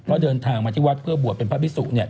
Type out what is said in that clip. ก็เดินทางมาที่วัดเพื่อบวชเป็นพระพิสุเนี่ย